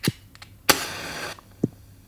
یا جنیاتي وي